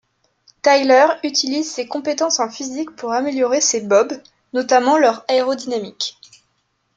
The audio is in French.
Tyler utilise ses compétences en physique pour améliorer ses bobs, notamment leur aérodynamique.